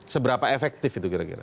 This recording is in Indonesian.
seberapa efektif itu kira kira